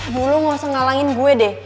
bu lo gak usah ngalangin gue deh